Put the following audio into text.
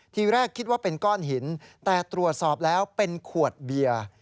ทีแรกคิดว่าเป็นก้อนหินแต่ตรวจสอบแล้วเป็นขวดเบียร์